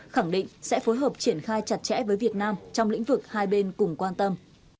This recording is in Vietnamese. khẳng định sẽ phối hợp triển khai chặt chẽ với việt nam trong lĩnh vực hai bên cùng quan tâm